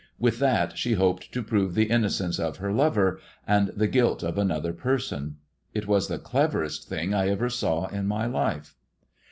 With that she hoped to ' prove the innocence of her lover and the guilt of another person. It was the cleverest thing I ever saw in my life.